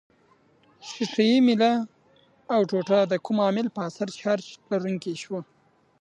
ښيښه یي میله او ټوټه د کوم عامل په اثر چارج لرونکې شوه؟